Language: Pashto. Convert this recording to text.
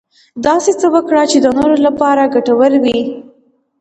داسې څه وکړه چې د نورو لپاره ګټور وي .